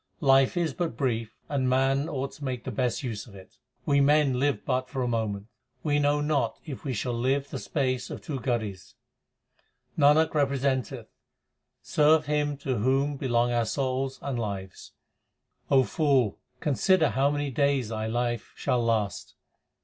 Life is but brief, and man ought to make the best use of it : We men live but for a moment ; we know not if we shall live the space of two gharis. Nanak representeth, serve Him to whom belong our .souls and lives. O fool, consider how many days thy life shall last.